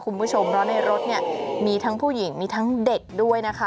คุณผู้ชมเพราะในรถเนี่ยมีทั้งผู้หญิงมีทั้งเด็กด้วยนะคะ